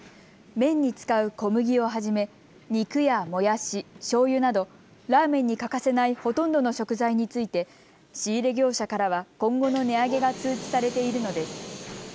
麺に使う小麦をはじめ、肉やもやし、しょうゆなどラーメンに欠かせないほとんどの食材について仕入れ業者からは今後の値上げが通知されているのです。